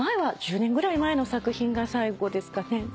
１０年ぐらい前の作品が最後ですかね。